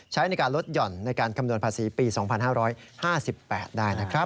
ใช้ในการลดห่อนในการคำนวณภาษีปี๒๕๕๘ได้นะครับ